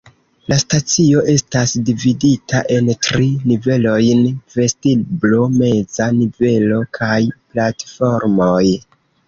La stacio estas dividita en tri nivelojn: vestiblo, meza nivelo kaj platformoj.